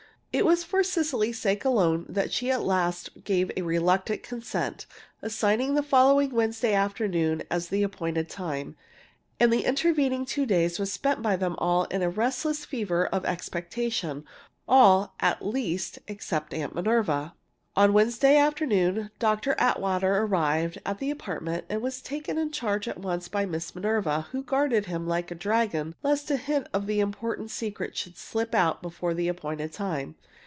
It was for Cecily's sake alone that she at last gave a reluctant consent, assigning the following Wednesday afternoon as the appointed time. And the intervening two days was spent by them all in a restless fever of expectation all, at least, except Aunt Minerva! On Wednesday afternoon, Dr. Atwater arrived at the apartment and was taken in charge at once by Miss Minerva, who guarded him like a dragon lest a hint of the important secret should slip out before the appointed time.